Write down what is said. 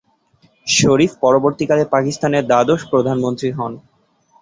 শরীফ পরবর্তীকালে পাকিস্তানের দ্বাদশ প্রধানমন্ত্রী হন।